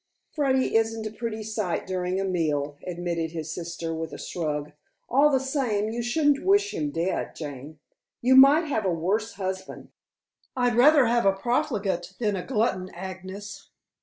"Freddy isn't a pretty sight during a meal," admitted his sister with a shrug. "All the same you shouldn't wish him dead, Jane. You might have a worse husband." "I'd rather have a profligate than a glutton, Agnes.